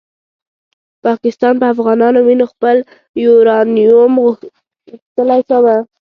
پاکستان په افغانانو وینو خپل یورانیوم غښتلی کاوه.